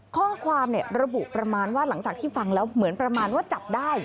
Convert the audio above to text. ข้อความระบุประมาณว่าหลังจากที่ฟังแล้วเหมือนประมาณว่าจับได้